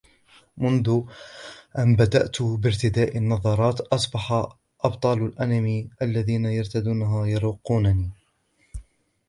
منذ أن بدأت بارتداء النظارات ، أصبح أبطال الأنمي الذي يرتدونها يروقونني.